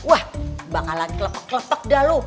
wah bakalan kelepek kelepek dah lo